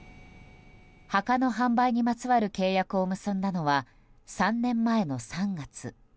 墓の販売にまつわる契約を結んだのは、３年前の３月。